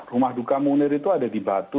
rumah duka munir itu ada di batu